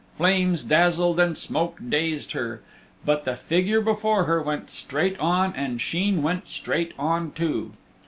Flames dazzled and smoke dazed her. But the figure before her went straight on and Sheen went straight on too.